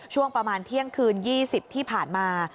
ช่วงประมาณเที่ยงคืน๒๐ที่ผ่านมา